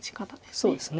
そうですね。